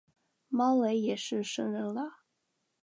猫雷也是神人了